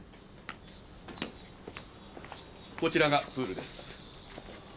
こちらがプールです。